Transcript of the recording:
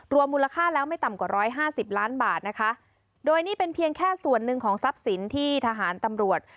มูลค่าแล้วไม่ต่ำกว่าร้อยห้าสิบล้านบาทนะคะโดยนี่เป็นเพียงแค่ส่วนหนึ่งของทรัพย์สินที่ทหารตำรวจ